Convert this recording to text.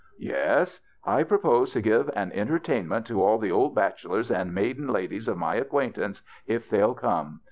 "" Yes. I propose to give an entertainment to all the old bachelors and maiden ladies of my acquaintance, if they'll come.